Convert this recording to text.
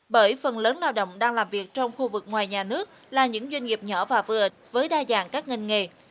bởi phần lớn lao động đang làm việc trong khu vực ngoài nhà nước là những doanh nghiệp nhỏ và vừa với đa dạng các ngành nghề